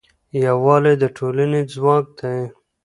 یووالی د ټولنې ځواک دی.